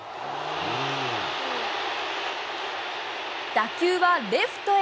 打球はレフトへ。